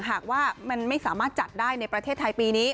หากว่ามันไม่สามารถจัดได้ในประเทศไทยปีนี้